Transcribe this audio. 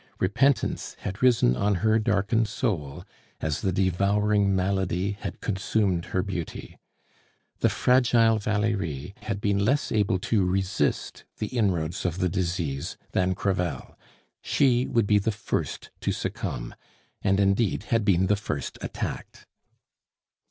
Repentance had risen on her darkened soul as the devouring malady had consumed her beauty. The fragile Valerie had been less able to resist the inroads of the disease than Crevel; she would be the first to succumb, and, indeed, had been the first attacked.